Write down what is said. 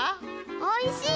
おいしい！